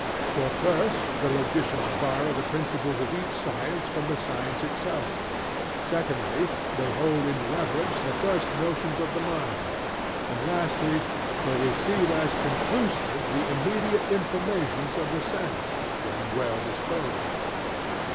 For first, the logicians borrow the principles of each science from the science itself; secondly, they hold in reverence the first notions of the mind; and lastly, they receive as conclusive the immediate informations of the sense, when well disposed.